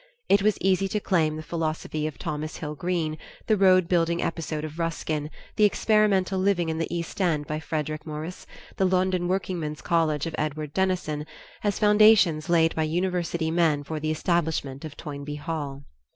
It was easy to claim the philosophy of Thomas Hill Green, the road building episode of Ruskin, the experimental living in the east end by Frederick Maurice, the London Workingman's College of Edward Dennison, as foundations laid by university men for the establishment of Toynbee Hall.